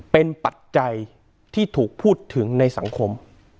เป็นปัจจัยที่ถูกพูดถึงในสังคม